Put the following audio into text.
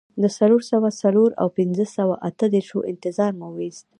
د څلور سوه څلور او پنځه سوه اته دیرشو انتظار مو وېست.